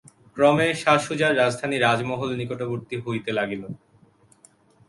ক্রমে শাসুজার রাজধানী রাজমহল নিকটবর্তী হইতে লাগিল।